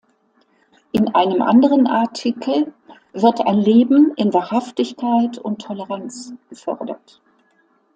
In einem anderen Artikel wird ein "Leben in Wahrhaftigkeit und Toleranz" gefordert.